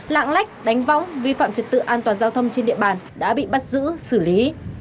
lạng lách đánh võng vi phạm trật tự an toàn giao thông trên địa bàn đã bị bắt giữ xử lý